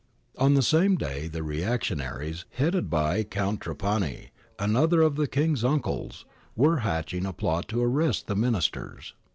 ^ On the same day the reactionaries, headed by Count Trapani, another of the King's uncles, were hatching a plot to arrest the Ministers.